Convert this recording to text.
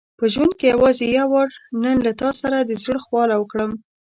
په ژوند کې یوازې یو وار نن له تا سره د زړه خواله وکړم.